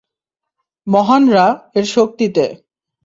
মহান রা-এর শক্তিতে।